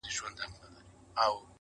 يوه شېبه تم سوی نه يم در روان هم يم